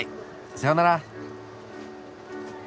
さよなら。